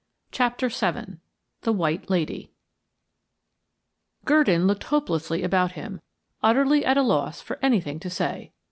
CHAPTER VII THE WHITE LADY Gurdon looked hopelessly about him, utterly at a loss for anything to say.